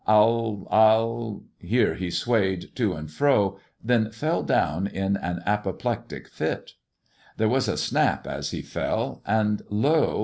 " I'll — ^I'll "— here he swayed to and fro, then fell down in an apoplectic fit. There was a snap as he fell, and lo